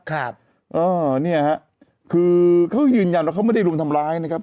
ครับเออเนี่ยฮะคือเขายืนยันว่าเขาไม่ได้รุมทำร้ายนะครับ